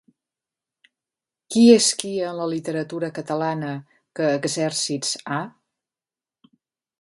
Qui és qui en la literatura catalana que Exèrcits Ha?